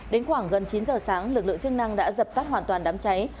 đến khoảng gần chín giờ sáng lực lượng chức năng đã dập tắt hoàn toàn đám cháy